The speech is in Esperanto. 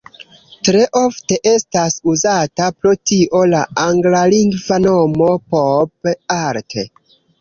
Tre ofte estas uzata pro tio la anglalingva nomo "pop art".